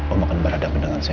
om akan berada dengan saya